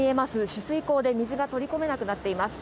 取水口で水が取り込めなくなっています